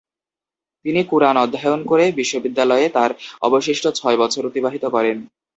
তিনি কুরআন অধ্যয়ন করে বিশ্ববিদ্যালয়ে তার অবশিষ্ট বছর অতিবাহিত করেন।